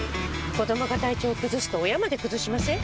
子どもが体調崩すと親まで崩しません？